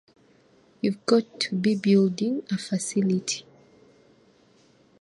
You've got to be building a facility.